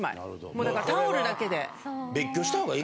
もうだからタオルだけで。